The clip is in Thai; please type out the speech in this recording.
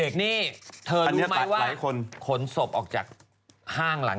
ที่เนี่ยเหรอใช่